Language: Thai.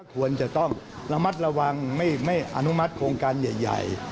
ควรจะต้องระมัดระวังไม่อนุมัติโครงการใหญ่